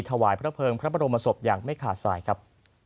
ถวายพระเภิงพระบรมศพอย่างไม่ขาดสายครับ